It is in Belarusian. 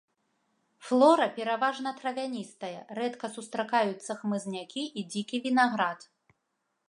Флора пераважна травяністая, рэдка сустракаюцца хмызнякі і дзікі вінаград.